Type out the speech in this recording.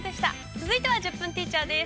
続いては「１０分ティーチャー」です。